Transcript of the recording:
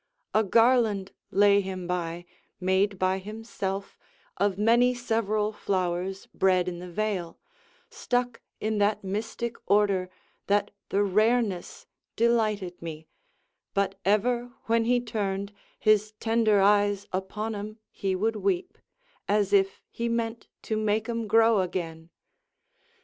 A garland lay him by, made by himself Of many several flowers bred in the vale, Stuck in that mystic order that the rareness Delighted me; but ever when he turned His tender eyes upon 'em, he would weep, As if he meant to make 'em grow again.